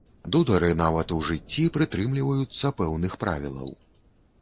Дудары нават у жыцці прытрымліваюцца пэўных правілаў.